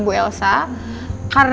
benar dua hari